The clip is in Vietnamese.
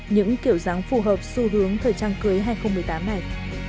những kiểu dáng phù hợp xu hướng thời trang cưới hai nghìn một mươi tám này